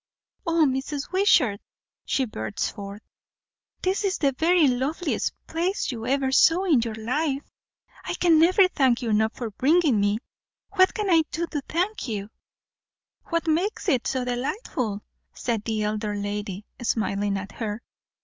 "O, Mrs. Wishart!" she burst forth, "this is the very loveliest place you ever saw in your life! I can never thank you enough for bringing me! What can I do to thank you?" "What makes it so delightful?" said the elder lady, smiling at her.